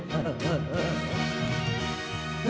はい。